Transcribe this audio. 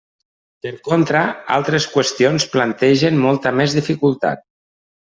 Per contra, altres qüestions plantegen molta més dificultat.